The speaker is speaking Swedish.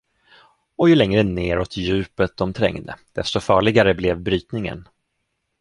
Och ju längre neråt djupet de trängde, desto farligare blev brytningen.